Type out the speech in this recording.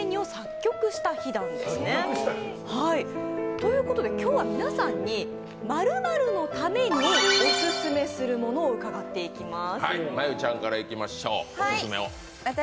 ということで今日は皆さんに○○のためにオススメする物を伺っていきます。